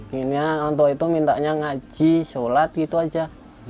pengennya orang tua itu mintanya ngaji sholat gitu aja